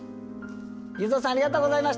裕三さんありがとうございました。